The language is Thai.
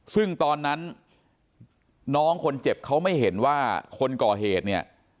ซึ่งตอนนั้นน้องคนเจ็บเขาไม่เห็นว่าคนก่อเหตุเนี่ย